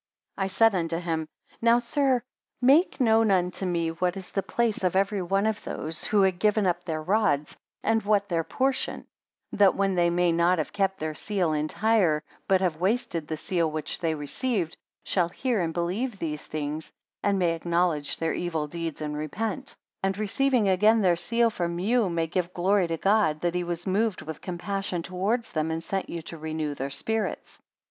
49 I said unto him; Now, Sir, make known unto me, what is the place of every one of those, who have given up their rods, and what their portion; that when they may have not kept their seal entire, but have wasted the seal which they received, shall hear and believe these thins, and may acknowledge their evil deeds and repent; 50 And receiving again their seal from you, may give glory to God, that he was moved with compassion towards them, and sent you to renew their spirits.